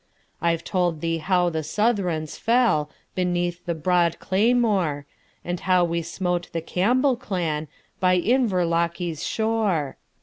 I 've told thee how the Southrons fellBeneath the broad claymore, And how we smote the Campbell clanBy Inverlochy's shore.